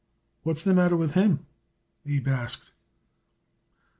"What's the matter with him?" Abe asked.